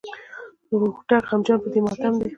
هوتک غمجن په دې ماتم دی.